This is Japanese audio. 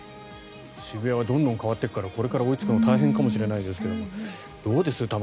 渋谷はどんどん変わっていくからこれから追いつくのは大変かもしれませんがどうです？